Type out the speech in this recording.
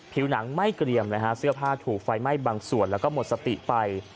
ผิวหนังไม่เกรียมเลยฮะเสื้อผ้าถูกไฟไหม้บางส่วนแล้วก็หมดสติไป